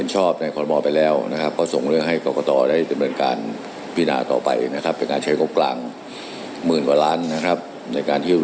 หลวงเรือนคนละ๑๕๐บาท